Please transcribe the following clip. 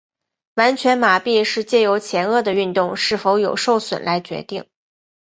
完全麻痹是藉由前额的运动是否有受损来决定。